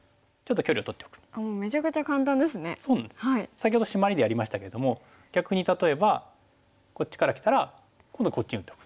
先ほどシマリでやりましたけども逆に例えばこっちからきたら今度こっちに打っておく。